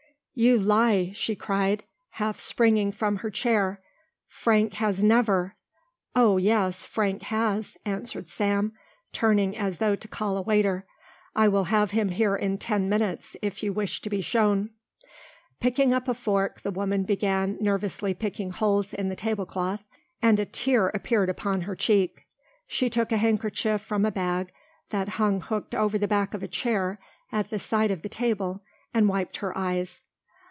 "You lie," she cried, half springing from her chair. "Frank has never " "Oh yes, Frank has," answered Sam, turning as though to call a waiter; "I will have him here in ten minutes if you wish to be shown." Picking up a fork the woman began nervously picking holes in the table cloth and a tear appeared upon her cheek. She took a handkerchief from a bag that hung hooked over the back of a chair at the side of the table and wiped her eyes.